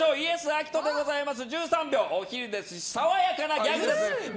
アキト１３秒、お昼ですし爽やかなギャグです。